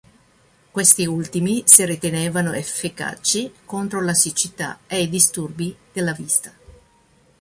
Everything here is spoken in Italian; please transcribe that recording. Questi ultimi si ritenevano efficaci contro la siccità e i disturbi della vista.